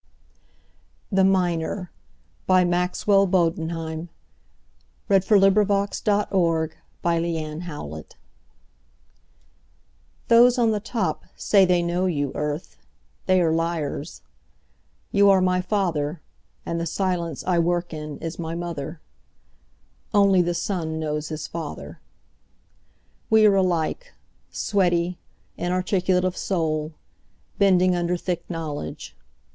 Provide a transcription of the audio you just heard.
The Miner By Maxwell Bodenheim THOSE on the top say they know you, Earth—they are liars. You are my father, and the silence I work in is my mother. Only the son knows his father. We are alike—sweaty, inarticulate of soul, bending under thick knowledge.